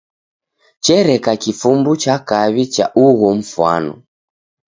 Chereka kifumbu cha kaw'i cha ugho mfwano.